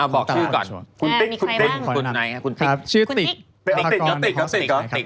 บอกชื่อก่อนมีใครบ้างคุณติ๊กคุณติ๊กคุณติ๊ก